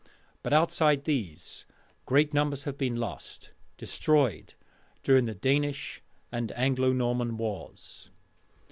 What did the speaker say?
But outside these, great numbers have been lost: destroyed during the Danish and Anglo Norman wars.